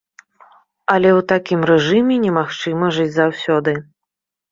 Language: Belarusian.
Але ў такім рэжыме немагчыма жыць заўсёды.